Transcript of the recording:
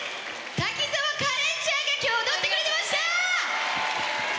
滝沢カレンちゃんが今日踊ってくれてました！